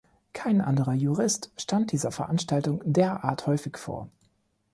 Kein anderer Jurist stand dieser Veranstaltung derart häufig vor.